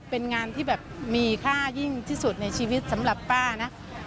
เป็นงานที่แบบมีค่ายิ่งที่สุดในชีวิตสำหรับป้านะ